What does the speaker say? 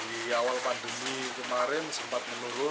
di awal pandemi kemarin sempat menurun